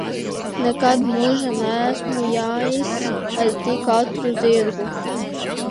Nekad mūžā neesmu jājis ar tik ātru zirgu!